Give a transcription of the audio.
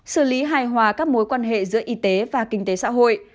xử lý hài hòa các mối quan hệ giữa y tế và kinh tế xã hội